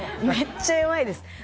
めっちゃ弱いです。